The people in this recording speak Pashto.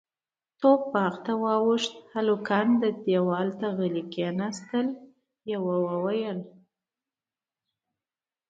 توپ باغ ته واوښت، هلکان دېوال ته غلي کېناستل، يوه وويل: